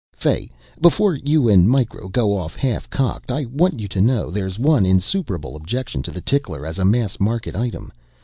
Fay, before you and Micro go off half cocked, I want you to know there's one insuperable objection to the tickler as a mass market item.